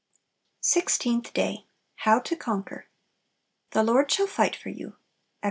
16. Sixteenth Day. How to Conquer. "The Lord shall fight for you." Ex.